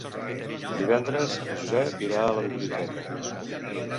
Divendres en Josep irà a la biblioteca.